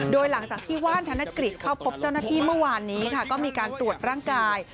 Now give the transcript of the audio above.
โดยหลังจากที่ว่านธนกฤษเข้าพบเจ้าหน้าที่เมื่อวานนี้ค่ะก็มีการตรวจร่างกาย